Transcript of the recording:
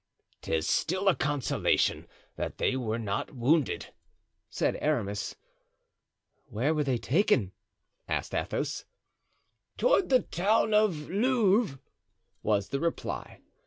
"'Tis still a consolation that they were not wounded," said Aramis. "Where were they taken?" asked Athos. "Toward the town of Louvres," was the reply.